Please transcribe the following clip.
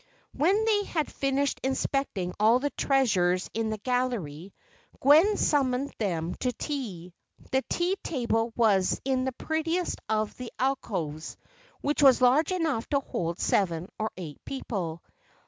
When they had finished inspecting all the treasures in the gallery, Gwen summoned them to tea. The tea table was in the prettiest of the alcoves, which was large enough to hold seven or eight people.